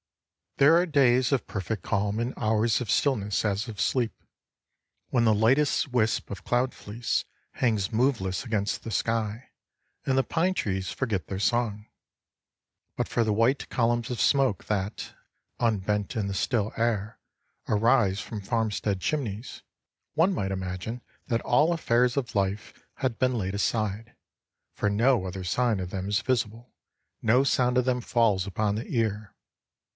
There are days of perfect calm and hours of stillness as of sleep, when the lightest wisp of cloud fleece hangs moveless against the sky and the pine trees forget their song. But for the white columns of smoke that, unbent in the still air, arise from farmstead chimneys, one might imagine that all affairs of life had been laid aside; for no other sign of them is visible, no sound of them falls upon the ear.